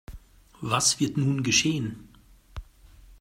Was wird nun geschehen?